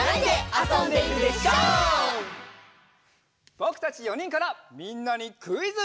ぼくたち４にんからみんなにクイズ！